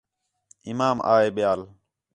امام آہے ٻِیال